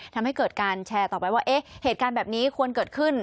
ทำให้เกิดการแชร์ต่อไปว่าเอ๊ะเหตุการณ์แบบนี้ควรเกิดขึ้น